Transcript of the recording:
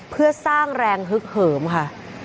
เพื่อสร้างแรงฮึกเหิมค่ะ